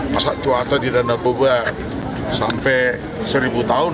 masa cuaca di dandaboba sampai seribu tahun